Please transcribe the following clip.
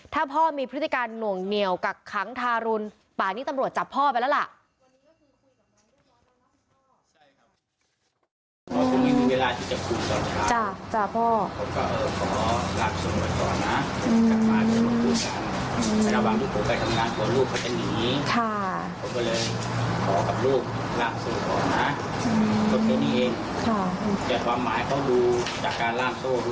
ถ้าพ่อมีพฤติการหน่วงเหนียวกักขังทารุณป่านี้ตำรวจจับพ่อไปแล้วล่ะ